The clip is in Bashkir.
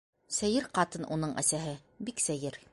Сәйер ҡатын уның әсәһе, бик сәйер.